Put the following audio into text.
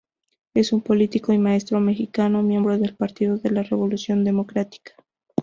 Es un Político y Maestro Mexicano, Miembro del Partido de la Revolución Democrática.